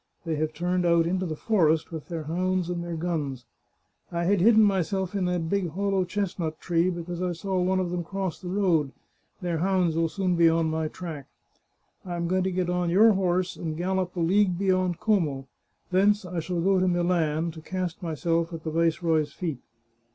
They have turned out into the forest, with their hounds and their guns. I had hidden myself in that big hollow chest nut tree because I saw one of them cross the road; their hounds will soon be on my track. I am going to get on your horse and gallop a league beyond Como; thence I shall go to Milan, to cast myself at the viceroy's feet.